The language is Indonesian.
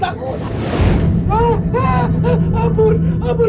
amur ampun ampun